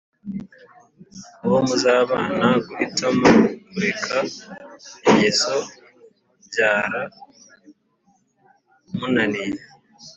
uwo muzabana guhitamo kureka ingeso byara mu naniye